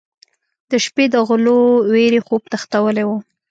د شپې د غلو وېرې خوب تښتولی و.